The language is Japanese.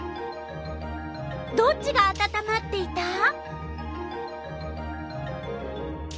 どっちがあたたまっていた？